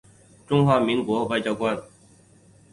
中华民国外交官。